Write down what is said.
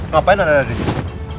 ngapain anda ada disini